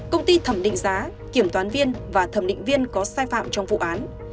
công ty thẩm định giá kiểm toán viên và thẩm định viên có sai phạm trong vụ án